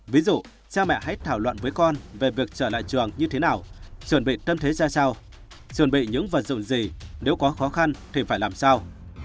ví dụ cha mẹ hãy thảo luận với con về việc trở lại trường như thế nào chuẩn bị tâm thế ra sao chuẩn bị những vật dụng gì nếu có khó khăn thì phải làm sao